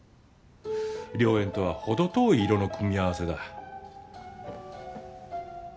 良縁とは程遠い色の組み合わせだ。